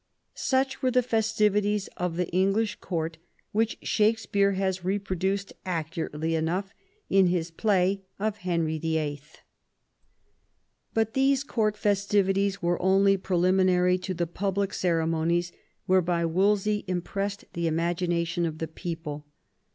Such were the festivities of the English Court, which Shakespeare has reproduced, accurately enough, in his play of Henry VIIL But these Court festivities were only preliminary to the public ceremonies whereby Wolsey impressed the imagination of the people.